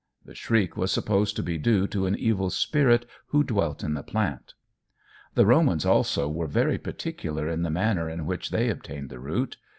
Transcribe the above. The shriek was supposed to be due to an evil spirit who dwelt in the plant. The Romans also were very particular in the manner in which they obtained the root.